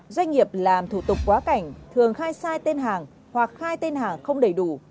doanh nghiệp làm thủ tục quá cảnh thường khai sai tên hàng hoặc khai tên hàng không đầy đủ